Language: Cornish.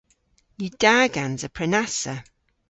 Yw da gansa prenassa?